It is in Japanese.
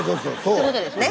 そういうことですね。